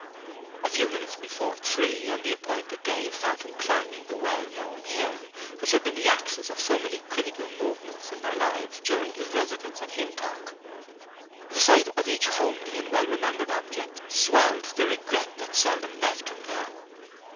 A few minutes before three on the appointed day found him climbing the well known hill, which had been the axis of so many critical movements in their lives during his residence at Hintock. The sight of each homely and well remembered object swelled the regret that seldom left him now.